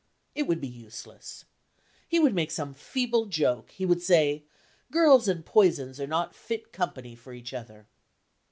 It would be useless. He would make some feeble joke; he would say, girls and poisons are not fit company for each other.